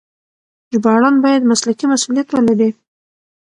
ژباړن بايد مسلکي مسؤليت ولري.